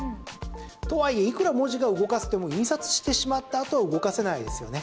とはいえいくら文字が動かせても印刷してしまったあとは動かせないですよね。